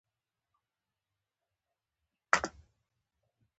د تحرک په نتیجه کې منځنۍ فاصله ډیریږي.